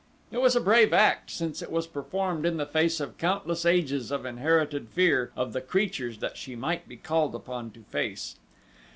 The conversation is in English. It was a brave act, since it was performed in the face of countless ages of inherited fear of the creatures that she might be called upon to face.